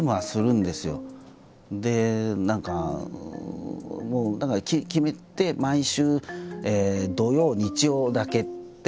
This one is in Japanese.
で何かだから決めて毎週土曜日曜だけって決めて。